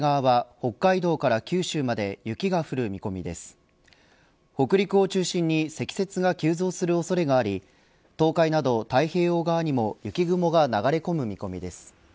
北陸を中心に積雪が急増する恐れがあり東海など太平洋側にも雪雲が流れ込む見込みです。